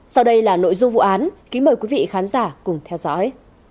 sau đây là nội dung vụ án kính mời quý vị khán giả cùng theo dõi